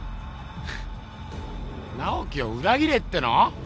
フッ直季を裏切れっての！？